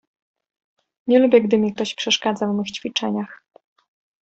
"Nie lubię, gdy mi ktoś przeszkadza w mych ćwiczeniach."